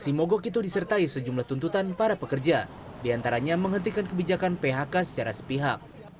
sebelumnya sejumlah tuntutan para pekerja diantaranya menghentikan kebijakan phk secara sepihak